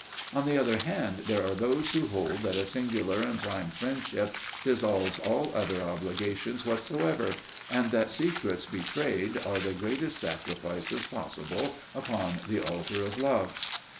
On the other hand, there are those who hold that a singular and prime friendship dissolves all other obligations whatsoever, and that secrets betrayed are the greatest sacrifices possible upon the altar of love.